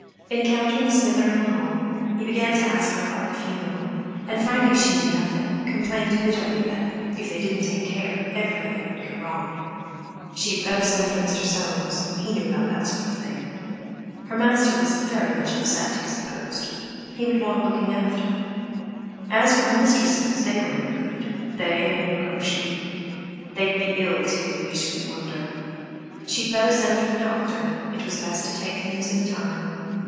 Encountering Smither in the hall, he began to ask her about the funeral, and, finding that she knew nothing, complained bitterly that, if they didn't take care, everything would go wrong. She had better send for Mr. Soames—he knew all about that sort of thing; her master was very much upset, he supposed—he would want looking after; as for her mistresses, they were no good—they had no gumption! They would be ill too, he shouldn't wonder. She had better send for the doctor; it was best to take things in time.